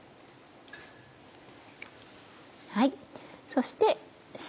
そして塩。